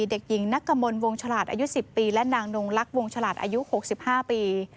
เด็กหญิงนักกมลวงฉลาดอายุ๑๐ปีและนางนงลักษ์วงฉลาดอายุ๖๕ปี